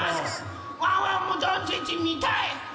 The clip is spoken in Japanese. ワンワンもどんちっちみたい！